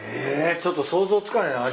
ちょっと想像つかないな味。